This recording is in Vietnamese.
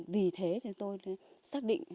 vì thế tôi xác định